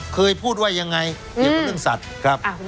เคยพูดว่ายังไงเกี่ยวกับเรื่องสัตว์ครับ